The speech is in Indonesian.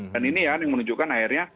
dan ini yang menunjukkan akhirnya